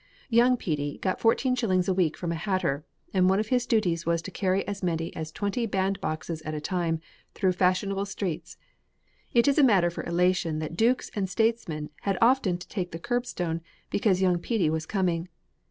Young Petey got fourteen shillings a week from a hatter, and one of his duties was to carry as many as twenty band boxes at a time through fashionable streets; it is a matter for elation that dukes and statesmen had often to take the curb stone, because young Petey was coming.